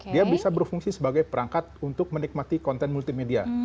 dia bisa berfungsi sebagai perangkat untuk menikmati konten multimedia